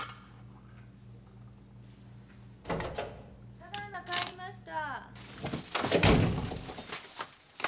・ただ今帰りました。